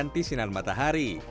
mengganti sinar matahari